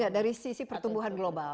dari sisi pertumbuhan global